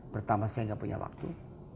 pertama saya nggak punya waktu